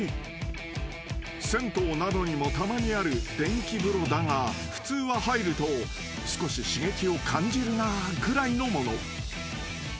［銭湯などにもたまにある電気風呂だが普通は入ると少し刺激を感じるなぐらいのもの］